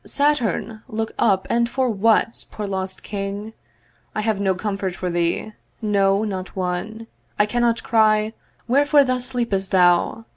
'Saturn! look up and for what, poor lost King? 'I have no comfort for thee; no not one; 'I cannot cry, Wherefore thus sleepest thou?